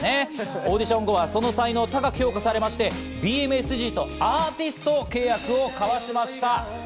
オーディション後はその才能を高く評価されてＢＭＳＧとアーティスト契約を交わしました。